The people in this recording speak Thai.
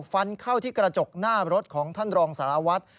ฟันเข้าที่กระจกหน้ารถของท่านรองสารวัตร